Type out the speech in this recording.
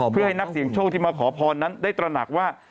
เพื่อให้นักเสียงโชคที่มาขอพรนั้นได้ตระหนักว่า